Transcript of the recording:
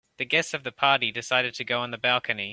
The guests of the party decided to go on the balcony.